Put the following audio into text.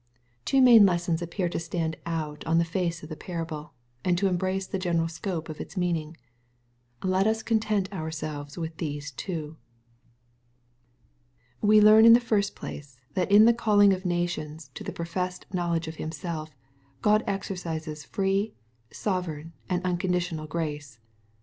Two main lessons appear to stand out on the face of the parable, and to embrace the general scope of its mean ing. Let us content ourselves with these two. We learn, in the first place, that in the calling of nations to the professed knowledge of Himself God ex erciseSj free, sovereign, and unconditional grace.